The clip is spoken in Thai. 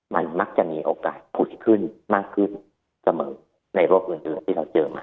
มันมักจะมีโอกาสผุดขึ้นมากขึ้นเสมอในรอบเดือนที่เราเจอมา